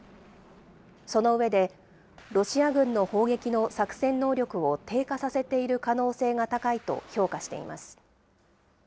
その上で、ロシア軍の砲撃の作戦能力を低下させている可能性が高いと評価しています。